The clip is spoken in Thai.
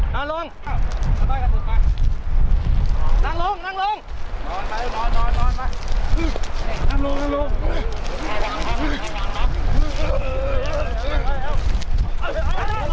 นอนลงนอนลงนอนลง